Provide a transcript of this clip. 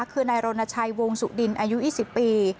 คือนายรณชัยวงสุดินอายุ๒๐ปี